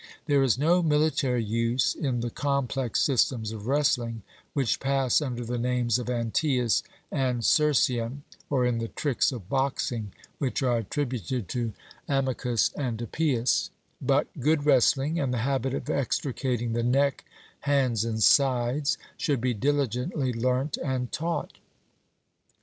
There is no military use in the complex systems of wrestling which pass under the names of Antaeus and Cercyon, or in the tricks of boxing, which are attributed to Amycus and Epeius; but good wrestling and the habit of extricating the neck, hands, and sides, should be diligently learnt and taught.